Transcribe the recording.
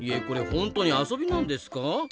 これ本当に遊びなんですか？